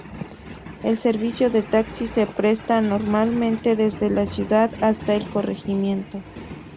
El servicio de taxi se presta normalmente desde la ciudad hasta el corregimiento.